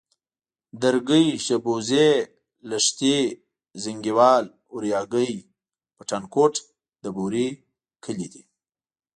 درگۍ، شبوزې، لښتي، زينگيوال، اورياگی او پټانکوټ د بوري کلي دي.